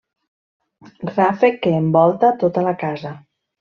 Ràfec que envolta tota la casa.